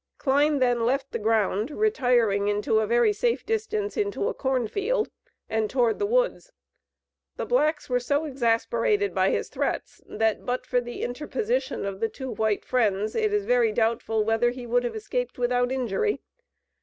Kline then left the ground, retiring into a very safe distance into a cornfield, and toward the woods. The blacks were so exasperated by his threats, that, but for the interposition of the two white Friends, it is very doubtful whether he would have escaped without injury.